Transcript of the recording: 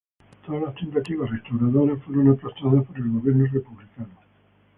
Todas las tentativas restauradoras fueron aplastadas por el gobierno republicano.